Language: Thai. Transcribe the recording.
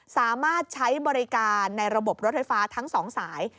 สามารถใช้บริการในระบบรถไฟฟ้าทั้ง๒สาย